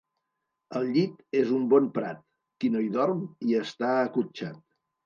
El llit és un bon prat; qui no hi dorm hi està acotxat.